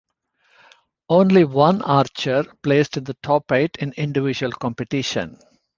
Only one archer placed in the top eight in individual competition.